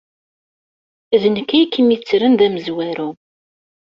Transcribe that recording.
D nekk ay kem-yettren d amezwaru.